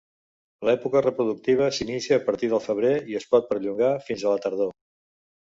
L'època reproductiva s'inicia a partir del febrer i pot perllongar-se fins a la tardor.